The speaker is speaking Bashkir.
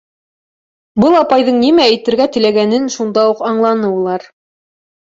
Был апайҙың нимә әйтергә теләгәнен шунда уҡ аңланы улар.